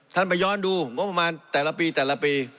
ท่านไปย้อนดูงบมารแต่ละปีแต่ละปี